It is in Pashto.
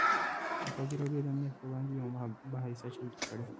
ازادي راډیو د امنیت پر وړاندې یوه مباحثه چمتو کړې.